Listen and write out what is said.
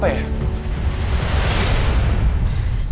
saya yang melukai raja